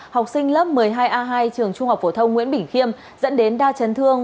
học sinh lớp một mươi hai a hai trường trung học phổ thông nguyễn bỉnh khiêm dẫn đến đa chấn thương